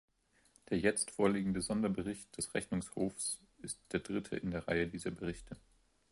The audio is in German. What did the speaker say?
Der jetzt vorliegende Sonderbericht des Rechnungshofs ist der dritte in der Reihe dieser Berichte.